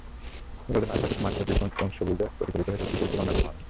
রোদেলা আকাশ মাঠের বিমূর্ত সবুজে প্রতিফলিত হয়ে সৃষ্টি করেছিল অন্য রকম আবহ।